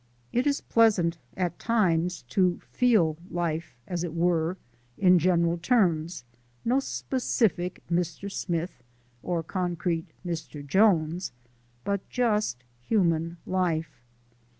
It is pleasant at times to feel life, as it were, in general terms: no specific Mr. Smith or concrete Mr. Jones, but just human life.